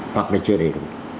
hoặc là chưa đầy đủ